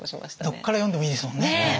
どっから読んでもいいですもんね。